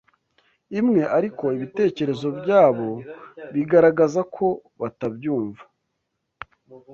imwe ariko ibitekerezo byabo bigaragaza ko batabyumva